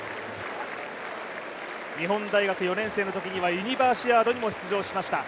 日本大学４年生のときにはユニバーシアードにも出場しました。